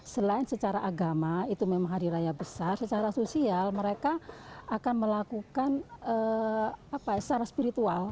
selain secara agama itu memang hari raya besar secara sosial mereka akan melakukan secara spiritual